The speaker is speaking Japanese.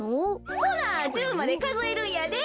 ほな１０までかぞえるんやで。